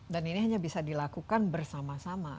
dan ini hanya bisa dilakukan bersama sama